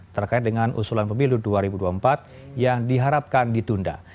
terkait dengan usulan pemilu dua ribu dua puluh empat yang diharapkan ditunda